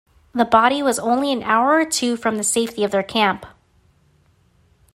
The body was only an hour or two from the safety of their camp.